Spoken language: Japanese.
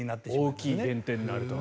大きい減点になると。